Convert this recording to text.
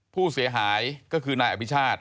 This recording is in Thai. ผู้เสียหายก็คือนายอภิชาติ